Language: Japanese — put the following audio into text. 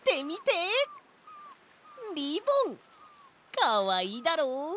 かわいいだろう？